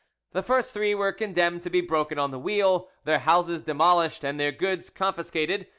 The first three were condemned to be broken on the wheel, their houses demolished, and their goods confiscated.